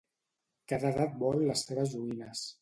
Cada edat vol les seves joguines.